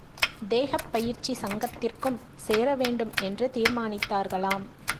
தேகப்பயிற்சி சங்கத்திற்கும் சேர வேண்டும் என்று தீர்மானித்தார்களாம்.